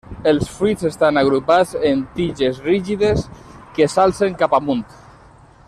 Els fruits estan agrupats en tiges rígides que s'alcen cap amunt.